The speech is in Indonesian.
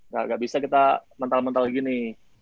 nggak bisa kita mental mental gini